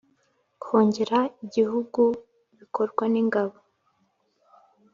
Kongere igihugu bikorwa ningabo